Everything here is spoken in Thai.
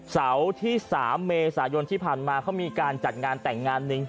เสาร์ที่๓เมษายนที่ผ่านมาเขามีการจัดงานแต่งงานหนึ่ง